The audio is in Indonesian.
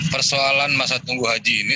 persoalan masa tunggu haji ini